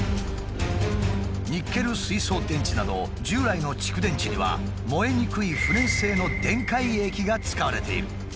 ニッケル水素電池など従来の蓄電池には燃えにくい不燃性の電解液が使われている。